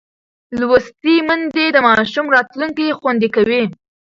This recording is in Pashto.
لوستې میندې د ماشوم راتلونکی خوندي کوي.